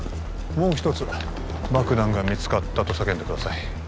もう一つ爆弾が見つかったと叫んでください